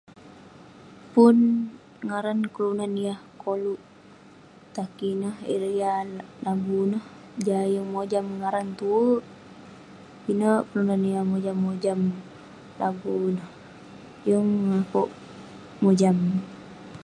Pun ngaran kelunan koluk tan kik, ireh yah lagu ineh, jah akouk yeng mojam ngaran neh tue. Pinek kelunan yah mojam mojam lagu ineh, yeng akouk mojam.